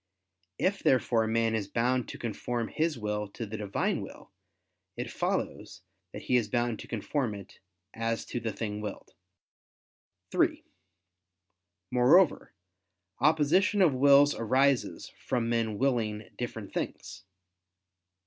If therefore man is bound to conform his will to the Divine will, it follows that he is bound to conform it, as to the thing willed. (3) Moreover, opposition of wills arises from men willing different things.